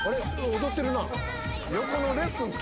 踊ってるな。